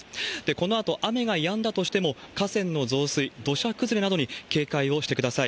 このあと、雨がやんだとしても、河川の増水、土砂崩れなどに警戒をしてください。